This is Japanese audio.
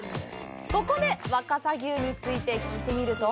ここで、若狭牛について聞いてみると。